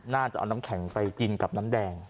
น่าจะเอาน้ำแข็งไปกินกับน้ำแดง